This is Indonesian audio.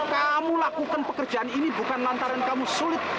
kamu lakukan pekerjaan ini bukan lantaran kamu sulit